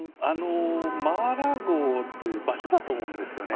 マー・ア・ラゴという場所だと思うんですね。